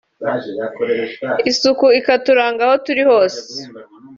isuku ikaturanga aho turi hose